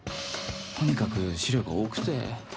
とにかく資料が多くて。